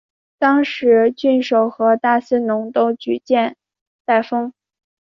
当时郡守和大司农都举荐戴封。